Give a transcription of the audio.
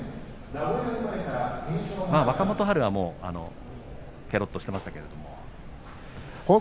若元春はもうけろっとしていましたけれど。